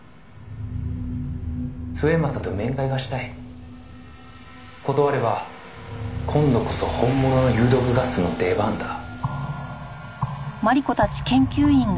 「末政と面会がしたい」「断れば今度こそ本物の有毒ガスの出番だ」